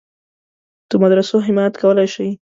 د مدرسو حمایت کولای شي.